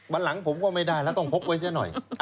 วันหลังผมก็ไม่ได้แล้วต้องพกไว้เสียหน่อย